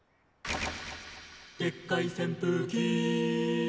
「でっかい扇風機」